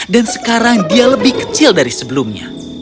dan sekarang dia lebih kecil dari sebelumnya